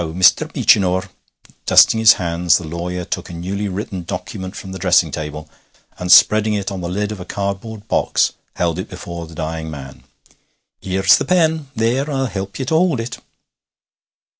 'Now, Mr. Beechinor.' Dusting his hands, the lawyer took a newly written document from the dressing table, and, spreading it on the lid of a cardboard box, held it before the dying man. 'Here's the pen. There! I'll help ye to hold it.'